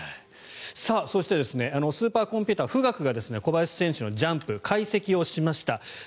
そしてスーパーコンピューター、富岳が小林選手のジャンプ解析をしました。